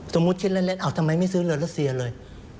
สมมุติคิดเล่นทำไมไม่ซื้อเรือรัฐเสียเลย